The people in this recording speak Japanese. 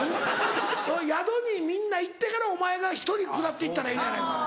宿にみんな行ってからお前が１人下って行ったらええのやないか。